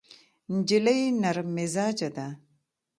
نجلۍ نرم مزاجه ده.